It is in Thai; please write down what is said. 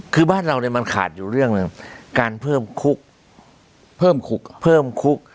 คือบ้านเราเนี่ยมันขาดอยู่เรื่องหนึ่งการเพิ่มคุกเพิ่มคุก